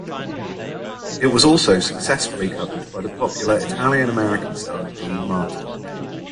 It was also successfully covered by the popular Italian-American star Dean Martin.